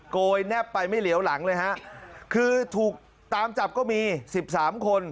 โกยแนบไปไม่เหลียวหลังเลยฮะคือถูกตามจับก็มีสิบสามคน